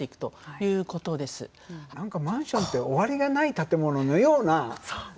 何かマンションって終わりがない建物のような何かね。